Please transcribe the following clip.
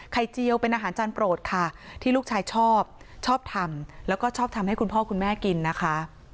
เจียวเป็นอาหารจานโปรดค่ะที่ลูกชายชอบชอบทำแล้วก็ชอบทำให้คุณพ่อคุณแม่กินนะคะ